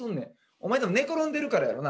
お前たぶん寝転んでるからやろな。